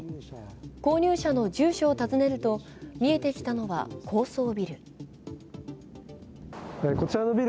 購入者の住所を訪ねると、見えてきたのは高層ビル。